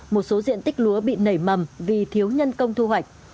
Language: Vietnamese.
một số diện tích lúa bị nảy mầm vì thiếu nhân công thu hoạch